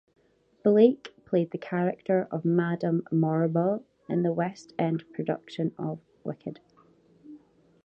Blake played the character of Madame Morrible in the West End production of "Wicked".